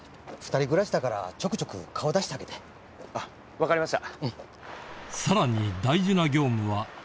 分かりました。